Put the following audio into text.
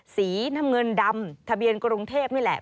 สีน้ำเงินดำทะเบียนกรุงเทพนี่แหละ